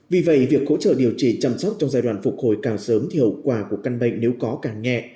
vì vậy việc hỗ trợ điều trị chăm sóc trong giai đoạn phục hồi càng sớm thì hậu quả của căn bệnh nếu có càng nhẹ